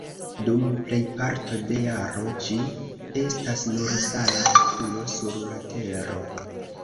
Dum plejparto de jaro ĝi estas nur sala makulo sur la tero.